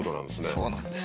そうなんです。